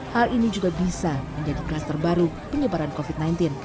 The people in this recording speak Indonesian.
hal ini juga bisa menjadi kluster baru penyebaran covid sembilan belas